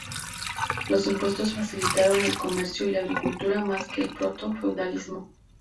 Los impuestos facilitaron el comercio y la agricultura más que el proto-feudalismo.